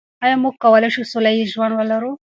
آیا موږ کولای شو سوله ییز ژوند ولرو؟